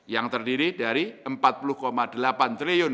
yang terdiri dari rp empat puluh delapan triliun